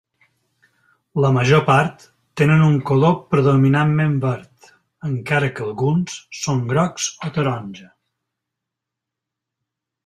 La major part tenen un color predominantment verd, encara que alguns són grocs o taronja.